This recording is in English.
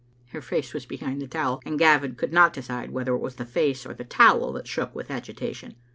Her face was behind the towel, and Gavin could not decide whether it was the face or the towel that shook with agitation.